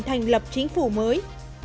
tiến trình thành lập chính phủ mới